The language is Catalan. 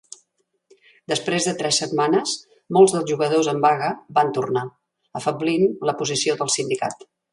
Després de tres setmanes, molts dels jugadors en vaga van tornar, afeblint la posició del sindicat.